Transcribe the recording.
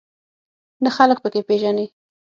نه خلک په کې پېژنې.